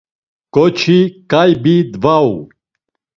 K̆oçi ǩaybi dvau.